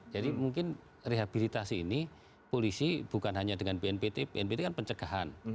jadi mungkin rehabilitasi ini polisi bukan hanya dengan bnpt bnpt kan pencegahan